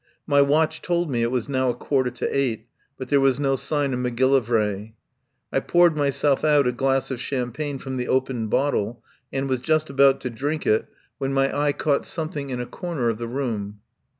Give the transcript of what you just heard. My watch told me it was now a quarter to eight, but there was no sign of Macgillivray. I poured myself out a glass of champagne from the opened bottle, and was just about to drink it when my eye caught something in a corner of the room.